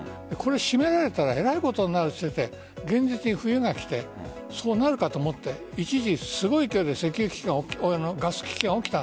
締められたらえらいことになると言っていて現実的に冬が来てそうなるかと思って一時、すごい勢いで石油危機、ガス危機が起きた。